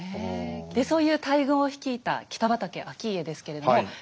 でそういう大軍を率いた北畠顕家ですけれども実は